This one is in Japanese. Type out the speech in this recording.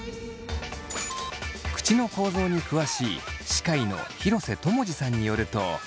口の構造に詳しい歯科医の廣瀬知二さんによると。